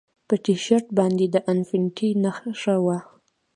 په ټي شرټ باندې د انفینټي نښه وه